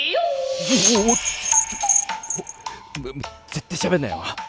絶対しゃべんなよ！